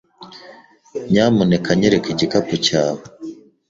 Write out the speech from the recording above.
Nyamuneka nyereka igikapu cyawe.